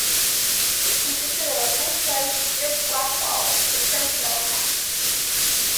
It consisted of a pint-sized clear glass bottle with a crimped metal cap.